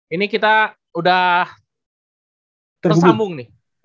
ini kita udah tersambung nih